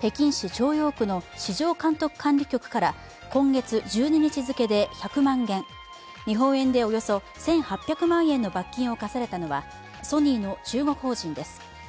北京市朝陽区の市場監督管理局から今月１２日付で１００万元日本円でおよそ１８００万円の罰金を科されたのはソニーの中国法人です。